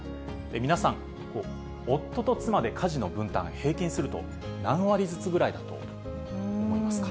皆さん、夫と妻で家事の分担、平均すると何割ずつぐらいだと思いますか？